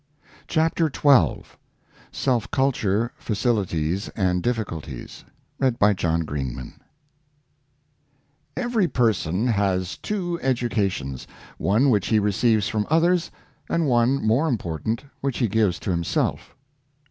CHAPTER XIL SELF CULTURE — FACILITIES AND DIFFI CULTIES. *' Every person has two educations, one which he receives from others, and one, more important, which he gives to himself.''